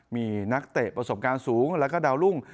มีนักเตะประสบการณ์สูงแล้วก็ดาวรุ่ง